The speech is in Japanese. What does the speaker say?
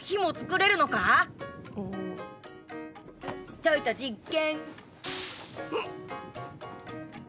ちょいと実験！